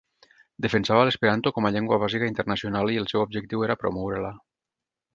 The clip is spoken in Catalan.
Defensava l’esperanto com a llengua bàsica internacional i el seu objectiu era promoure-la.